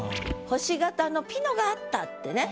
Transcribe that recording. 星形のピノがあったってね。